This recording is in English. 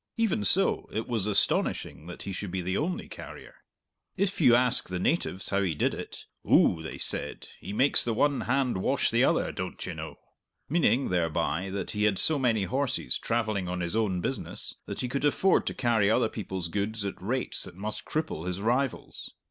Even so, it was astonishing that he should be the only carrier. If you asked the natives how he did it, "Ou," they said, "he makes the one hand wash the other, doan't ye know?" meaning thereby that he had so many horses travelling on his own business, that he could afford to carry other people's goods at rates that must cripple his rivals.